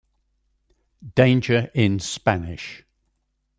Danger in Spanish.